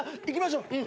行きましょう。